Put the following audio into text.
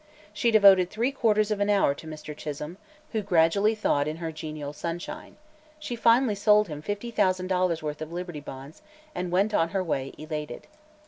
She devoted three quarters of an hour to Mr. Chisholme, who gradually thawed in her genial sunshine. She finally sold him fifty thousand dollars worth of Liberty Bonds and went on her way elated.